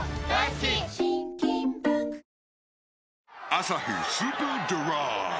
「アサヒスーパードライ」